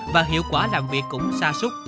và hiệu quả làm việc cũng xa xúc